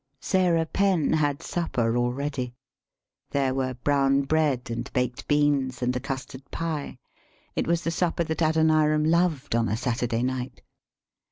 Sarah Penn had supper all ready. There were brown bread, and baked beans and a custard pie; it was the supper that Adoniram loved on a Saturday night.